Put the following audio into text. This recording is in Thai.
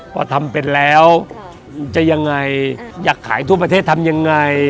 พอทำเป็นแล้วจะยังไงอยากขายทั่วประเทศทำยังไง